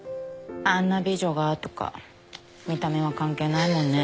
あんな美女がとか見た目は関係ないもんね